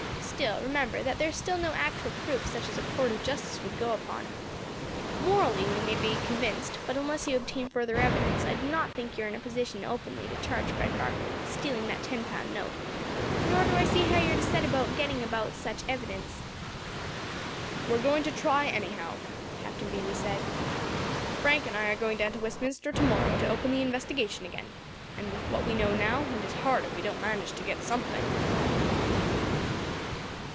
Still, remember there is still no actual proof such as a court of justice would go upon. Morally we may be convinced, but unless you obtain further evidence I do not think you are in a position openly to charge Fred Barkley with stealing that ten pound note, nor do I see how you are to set about getting such evidence." "We are going to try, anyhow," Captain Bayley said. "Frank and I are going down to Westminster to morrow to open the investigation again, and with what we know now it is hard if we don't manage to get something."